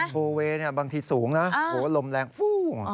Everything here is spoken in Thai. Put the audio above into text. โฟเวย์บางทีสูงนะเพราะว่าลมแรงฟู้